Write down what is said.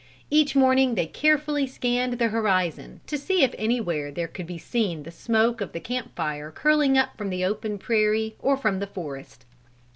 Each morning they carefully scanned the horizon, to see if anywhere there could be seen the smoke of the camp fire curling up from the open prairie or from the forest.